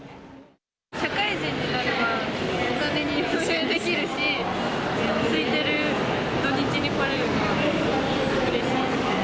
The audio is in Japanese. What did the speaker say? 社会人になれば、お金に余裕できるし、すいてる土日に来られるのはうれしいですね。